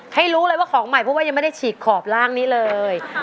ให้รู้เลยว่าของใหม่เพราะว่ายังไม่ได้ฉีกขอบล่างนี้เลย